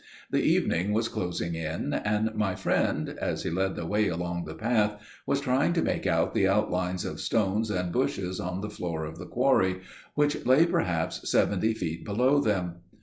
The evening was closing in; and my friend, as he led the way along the path, was trying to make out the outlines of stones and bushes on the floor of the quarry, which lay perhaps seventy feet below them.